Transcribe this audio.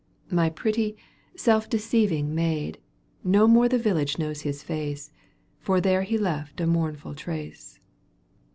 My pretty self deceiving maid — No more the village knows his face. For there he left a mournful trace.